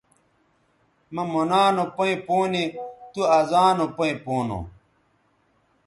مہ مونا نو پیئں پونے تُو ازانو پیئں پونو